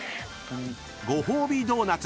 ［ご褒美ドーナツ